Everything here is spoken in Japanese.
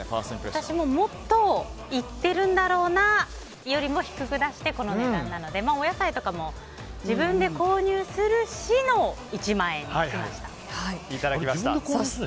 私ももっといってるんだろうなよりも低く出してこの値段なのでお野菜とかも自分で購入するしの１万円にしました。